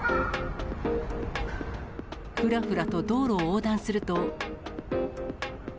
ふらふらと道路を横断すると。